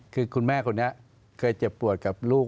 คือคุณแม่คนนี้เคยเจ็บปวดกับลูก